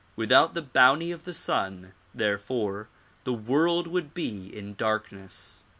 Without the bounty of the sun therefore the world would be in darkness.